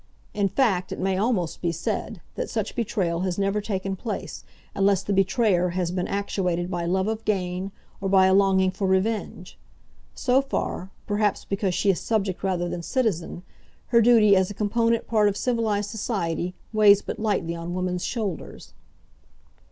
In fact, it may almost be said that such betrayal has never taken place unless the betrayer has been actuated by love of gain, or by a longing for revenge. So far, perhaps because she is subject rather than citizen, her duty as a component part of civilised society weighs but lightly on woman's shoulders.